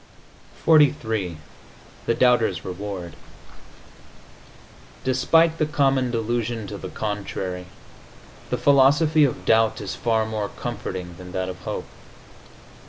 XLIII THE DOUBTER'S REWARD Despite the common delusion to the contrary the philosophy of doubt is far more comforting than that of hope.